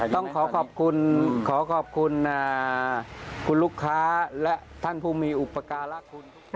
ต้องขอขอบคุณขอขอบคุณคุณลูกค้าและท่านผู้มีอุปการะคุณ